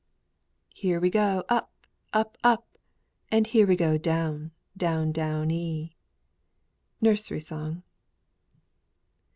"Here we go up, up, up; And here we go down, down, downee!" NURSERY SONG.